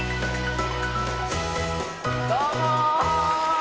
どうも！